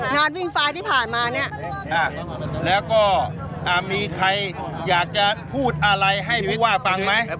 งานวิ่งไฟล์ที่ผ่านมาเนี่ยแล้วก็มีใครอยากจะพูดอะไรให้ผู้ว่าฟังไหม